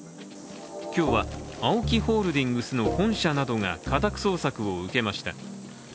今日は、ＡＯＫＩホールディングスの本社などが家宅捜索を受けました。